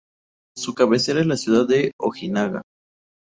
Su cabecera es la ciudad de Ojinaga.